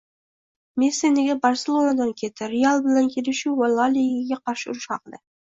Messi nega “Barselona”dan ketdi? “Real” bilan kelishuv va La Ligaga qarshi urush haqida